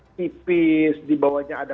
tipis dibawahnya ada